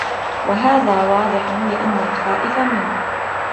وَهَذَا وَاضِحٌ ؛ لِأَنَّ الْخَائِفَ مِنْ